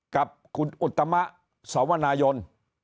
กับคุณอุตมะสวนายน